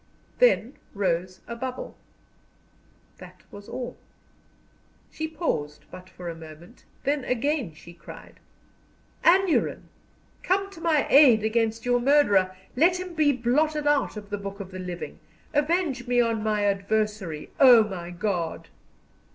Then rose a bubble. That was all. She paused but for a moment, then again she cried: "Aneurin! come to my aid against your murderer. Let him be blotted out of the book of the living. Avenge me on my adversary, O my God!"